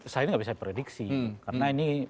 saya nggak bisa prediksi karena ini